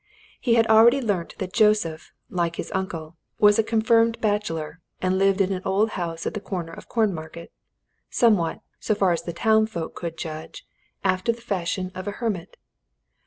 He had already learnt that Joseph, like his uncle, was a confirmed bachelor, and lived in an old house at the corner of Cornmarket, somewhat so far as the town folk could judge after the fashion of a hermit.